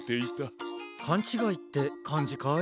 かんちがいってかんじかい？